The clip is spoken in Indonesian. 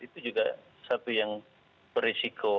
itu juga satu yang berisiko